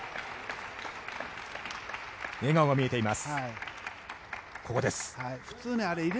笑顔が見えています。